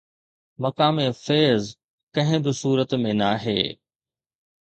مقام فيض ڪنهن به صورت ۾ ناهي